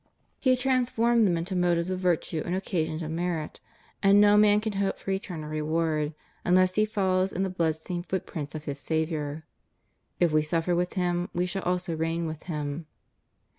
He trans formed them into motives of virtue and occasions of merit: and no man can hope for eternal reward unless he follow in the blood stained footprints of his Saviour. // we suffer with Him, we shall also reign with Him.